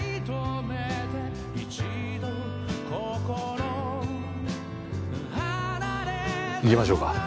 行きましょうか。